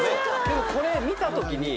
でもこれ見たときに。